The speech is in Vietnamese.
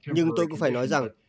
nhưng tôi cũng phải nói rằng